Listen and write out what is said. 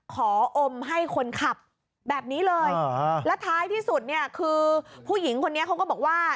ขออมให้คนขับแบบนี้เลยแล้วท้ายที่สุดเนี่ยคือผู้หญิงคนนี้เขาก็บอกว่า